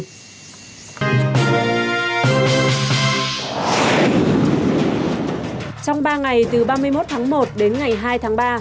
trong ba ngày từ ba mươi một tháng một đến ngày hai tháng ba